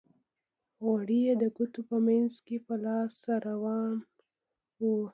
غوړ یې د ګوتو په منځ کې په لاس را روان وو.